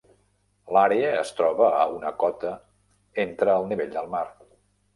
L'àrea es troba a una cota entre el nivell del mar.